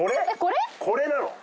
これなの？